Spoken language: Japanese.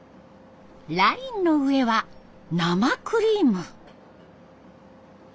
ラインの上は生クリーム。